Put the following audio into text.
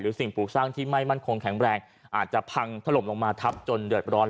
สิ่งปลูกสร้างที่ไม่มั่นคงแข็งแรงอาจจะพังถล่มลงมาทับจนเดือดร้อน